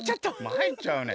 まいっちゃうね。